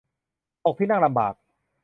ตกที่นั่งลำบาก